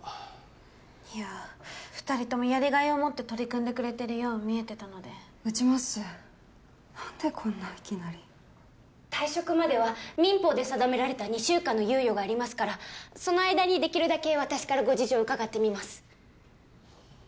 いや２人ともやりがいを持って取り組んでくれてるよう見えてたのでうちもっすなんでこんないきなり退職までは民法で定められた２週間の猶予がありますからその間にできるだけ私からご事情を伺ってみます